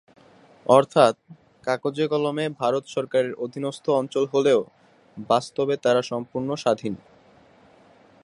অর্থাৎ, কাগজে-কলমে ভারত সরকারের অধীনস্থ অঞ্চল হলেও, বাস্তবে তারা সম্পূর্ণ স্বাধীন।